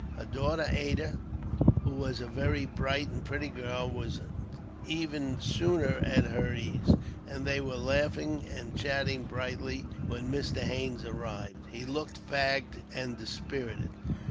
Her daughter Ada, who was a very bright and pretty girl, was even sooner at her ease, and they were laughing and chatting brightly, when Mr. Haines arrived. He looked fagged and dispirited.